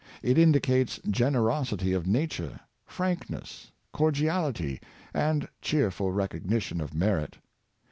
It indicates generosity of nature, frankness, cordiality and cheerful recognition of merit."